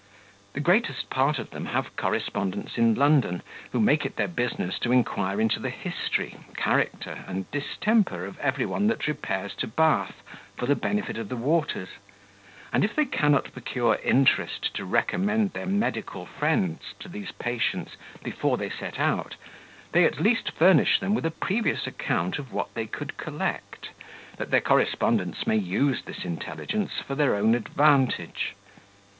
The greatest part of them have correspondents in London, who make it their business to inquire into the history, character, and distemper of every one that repairs to Bath, for the benefit of the waters, and if they cannot procure interest to recommend their medical friends to these patients before they set out, they at least furnish them with a previous account of what they could collect, that their correspondents may use this intelligence for their own advantage.